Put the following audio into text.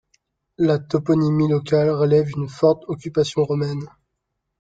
La toponymie locale révèle une forte occupation romaine.